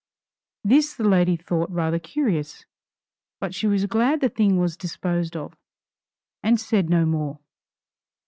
This the lady thought rather curious, but she was glad the thing was disposed of, and said no more.